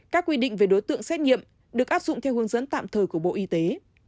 các quy định về đối tượng xét nghiệm được áp dụng theo hướng dẫn tạm thời của bộ y tế